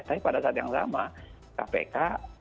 tapi pada saat yang sama kpk